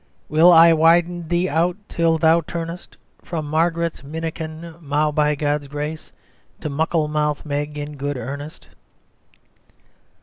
"Will I widen thee out till thou turnest From Margaret Minnikin mou' by God's grace, To Muckle mouth Meg in good earnest."